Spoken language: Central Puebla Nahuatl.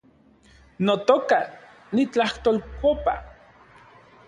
Notoka , nitlajtolkopa